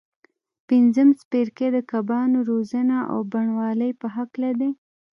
پنځم څپرکی د کبانو روزنه او بڼوالۍ په هکله دی.